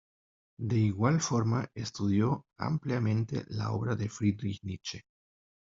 De igual forma, estudió ampliamente la obra de Friedrich Nietzsche.